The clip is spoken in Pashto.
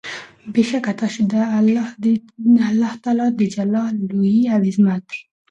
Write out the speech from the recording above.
بې شکه تاسي چې د الله تعالی د جلال، لوئي او عظمت